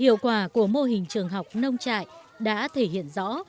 hiệu quả của mô hình trường học nông trại đã thể hiện rõ